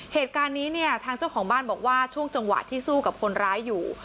เหตุการณ์นี้เนี่ยทางเจ้าของบ้านบอกว่าช่วงจังหวะที่สู้กับคนร้ายอยู่